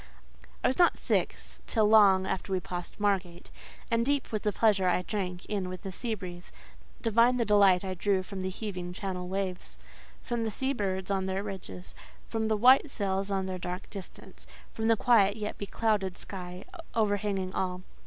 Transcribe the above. I was not sick till long after we passed Margate, and deep was the pleasure I drank in with the sea breeze; divine the delight I drew from the heaving Channel waves, from the sea birds on their ridges, from the white sails on their dark distance, from the quiet yet beclouded sky, overhanging all.